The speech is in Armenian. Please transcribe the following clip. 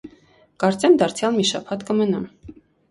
- Կարծեմ, դարձյալ մի շաբաթ կմնամ: